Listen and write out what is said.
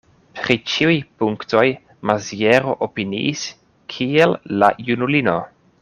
Pri ĉiuj punktoj Maziero opiniis kiel la junulino.